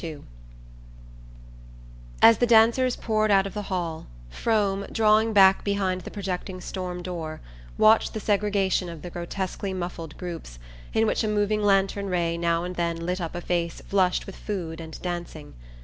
II As the dancers poured out of the hall Frome, drawing back behind the projecting storm door, watched the segregation of the grotesquely muffled groups, in which a moving lantern ray now and then lit up a face flushed with food and dancing.